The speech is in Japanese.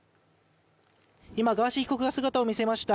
今、ガーシー被告が姿を見せました。